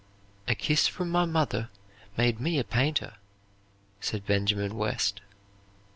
"A kiss from my mother made me a painter," said Benjamin West.